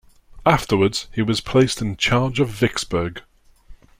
Afterwards he was placed in charge of Vicksburg.